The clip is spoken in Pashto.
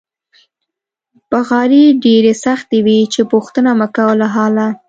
بغارې ډېرې سختې وې چې پوښتنه مکوه له حاله.